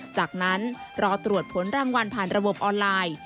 จากนั้นรอตรวจผลรางวัลผ่านระบบออนไลน์